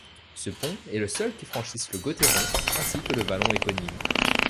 Ce pont est le seul qui franchisse le Gottéron ainsi que le vallon éponyme.